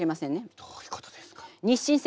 どういうことですか？